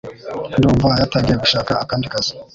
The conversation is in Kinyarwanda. Ndumva yatangiye gushaka akandi kazi.